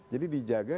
jadi dijaga gimana